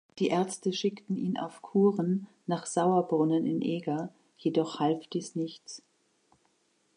Die Ärzte schickten ihn auf Kuren nach Sauerbrunnen in Eger, jedoch half dies nichts.